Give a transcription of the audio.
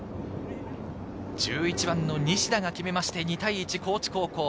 １１番の西田が決めまして２対１、高知高校。